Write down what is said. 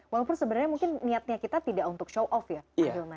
walaupun sebenarnya mungkin niatnya kita tidak untuk show off ya pak hilman